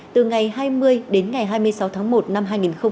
từ ngày hai mươi đến ngày hai mươi sáu tháng một năm hai nghìn hai mươi